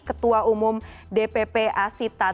ketua umum dpp asitatun